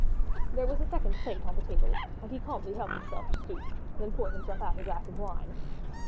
There was a second plate on the table, and he calmly helped himself to soup, then poured himself out a glass of wine.